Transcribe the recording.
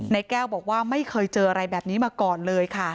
แก้วบอกว่าไม่เคยเจออะไรแบบนี้มาก่อนเลยค่ะ